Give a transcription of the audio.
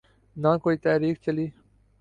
نہ کوئی تحریک چلی۔